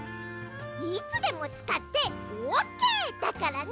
いつでもつかってオッケーだからね！